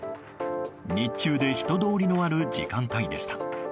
日中で人通りのある時間帯でした。